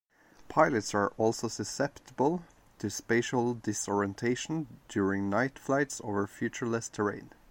Pilots are also susceptible to spatial disorientation during night flight over featureless terrain.